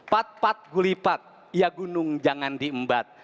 pat pat gulipat ya gunung jangan diembat